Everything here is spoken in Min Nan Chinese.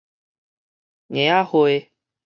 夾仔蟹